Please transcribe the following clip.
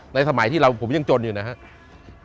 สมัยที่เราผมยังจนอยู่นะครับ